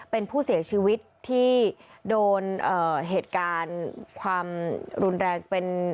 เป็นผู้เสียชีวิตที่โดนเหตุการณ์ความรุนแรงเป็น